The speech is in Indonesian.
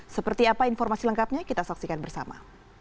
seperti apa informasi lengkapnya kita saksikan bersama